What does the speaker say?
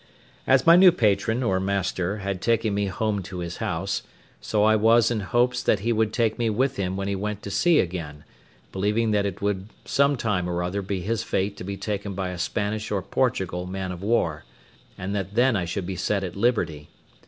As my new patron, or master, had taken me home to his house, so I was in hopes that he would take me with him when he went to sea again, believing that it would some time or other be his fate to be taken by a Spanish or Portugal man of war; and that then I should be set at liberty.